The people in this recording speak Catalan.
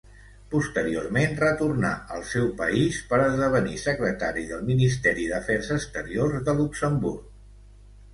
Posteriorment retornà al seu país per esdevenir Secretari del Ministeri d'Afers Exteriors de Luxemburg.